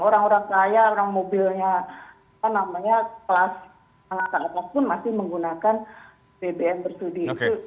orang orang kaya orang mobilnya apa namanya kelas pun masih menggunakan bbm bersudi